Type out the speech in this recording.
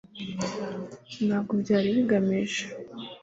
Ntabwo byari bigamije